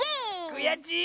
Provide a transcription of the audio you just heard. くやちい。